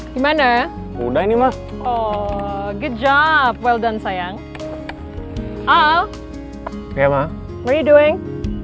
gimana udah ini mah oh good job well dan sayang al khalifah meridang